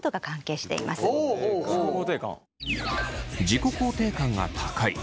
自己肯定感が高い。